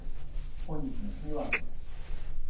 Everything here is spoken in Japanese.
本日のキーワードです。